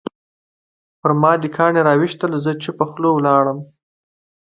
پرما دې کاڼي راویشتل زه چوپه خوله ولاړم